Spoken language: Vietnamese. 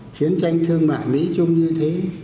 chiến tranh thương mạng mỹ chung như thế